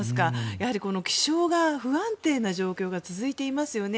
やはり気象が不安定な状況が続いていますよね。